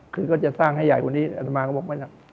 คือก็จะสร้างให้ใหญ่กว่านี้อัตมาก็บอกไม่หนัก